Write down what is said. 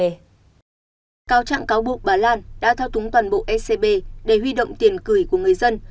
cao trạng cáo buộc bà lan đã thao túng toàn bộ scb để huy động tiền cửi của người dân